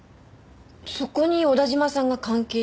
そこに小田嶋さんが関係していると？